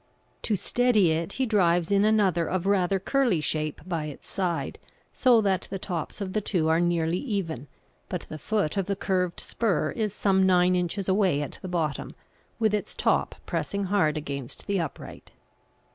To steady it he drives in another of rather curly shape by its side, so that the tops of the two are nearly even, but the foot of the curved spur is some nine inches away at the bottom, with its top pressing hard against the upright.